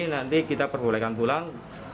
nanti kita perbolehkan pulang